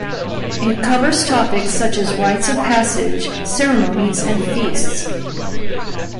It covers topics such as rites of passage, ceremonies and feasts.